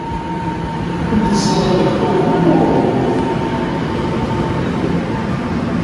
Kemm tzedɣeḍ deg Tokyo, neɣ uhu?